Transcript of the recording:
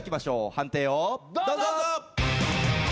判定をどうぞ！